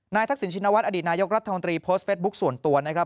ทักษิณชินวัฒนอดีตนายกรัฐมนตรีโพสต์เฟสบุ๊คส่วนตัวนะครับ